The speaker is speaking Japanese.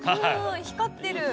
光ってる！